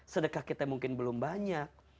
sedekah kita mungkin belum banyak